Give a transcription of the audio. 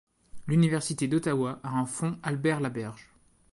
L'Université d'Ottawa a un fonds Albert-Laberge.